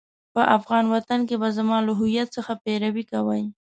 په افغان وطن کې به زما له هويت څخه پيروي کوئ.